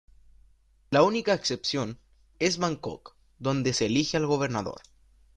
La única excepción es Bangkok, donde se elige al gobernador.